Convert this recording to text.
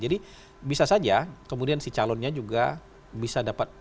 jadi bisa saja kemudian si calonnya juga bisa dapat